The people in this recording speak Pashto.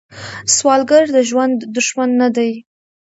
سوالګر د ژوند دښمن نه دی